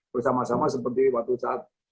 bersama sama seperti waktu saat